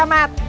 sama pak camat